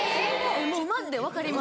・もうマジで分かります。